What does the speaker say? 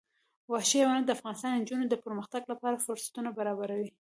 وحشي حیوانات د افغان نجونو د پرمختګ لپاره فرصتونه برابروي.